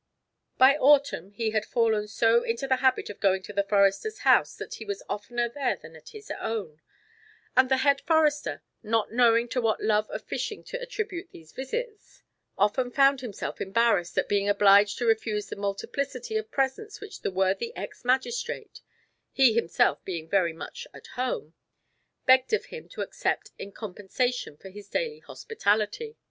By Autumn he had fallen so into the habit of going to the forester's house that he was oftener there than at his own; and the Head Forester, not knowing to what love of fishing to attribute these visits, often found himself embarrassed at being obliged to refuse the multiplicity of presents which the worthy ex magistrate (he himself being very much at home) begged of him to accept in compensation for his daily hospitality.